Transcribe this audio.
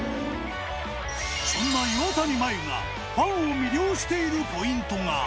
そんな岩谷麻優がファンを魅了しているポイントが。